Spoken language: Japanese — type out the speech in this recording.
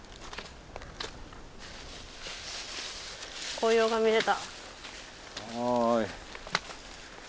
紅葉が見れた！